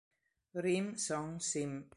Rim Song Sim